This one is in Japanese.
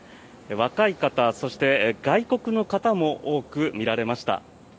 若い方、そして外国の方も多く見られました。